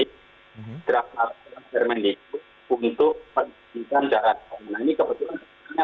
ke akses kepada semua anak indonesia yang tidak dapat ke situasi dan kebijikannya